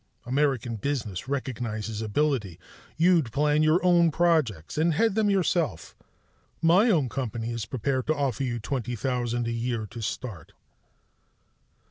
American business recognizes ability. You'd plan your own projects, and head them yourself. My own company is prepared to offer you twenty thousand a year to start."